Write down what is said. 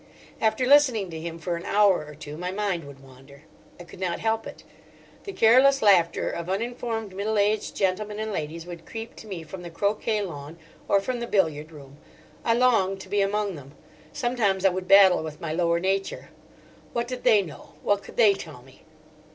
After listening to him for an hour or two my mind would wander. I could not help it. The careless laughter of uninformed middle aged gentlemen and ladies would creep to me from the croquet lawn or from the billiard room. I longed to be among them. Sometimes I would battle with my lower nature. What did they know? What could they tell me?